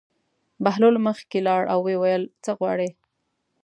بهلول مخکې لاړ او ویې ویل: څه غواړې.